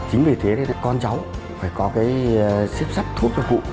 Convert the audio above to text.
chính vì thế con cháu phải có xếp sắp thuốc cho cụ